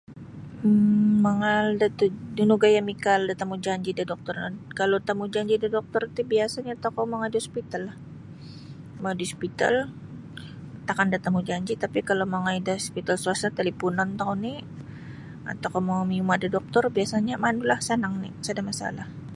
um Mangaal da tuj nunu gaya mikaal da temujanji da doktor on kalau temujanji da doktor ti biasanya tokou mongoi da hospitallah mongoi da hospital takan da temujanji tapi kalau mongoi da hospital swasta talipunon tokou ni' um tokou mau miyuma' da doktor biasanya manu oni' sada masalah.